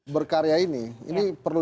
berkarya ini ini perlu